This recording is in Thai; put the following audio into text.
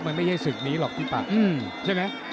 มันไม่ใช่ศึกนี้หรอกพี่ปาก